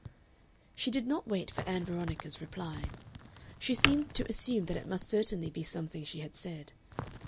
She did not wait for Ann Veronica's reply. She seemed to assume that it must certainly be something she had said.